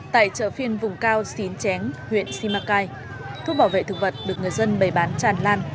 tại chợ phiên vùng cao xín chén huyện simacai thuốc bảo vệ thực vật được người dân bày bán tràn lan